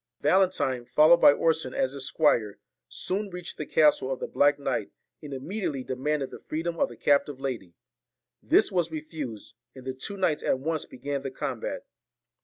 Valentine, followed by Orson as his squire, soon reached the castle of the black knight, and imme diately demanded the freedom of the captive lady. This was refused, and the two knights at once began the combat.